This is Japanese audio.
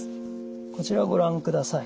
こちらをご覧ください。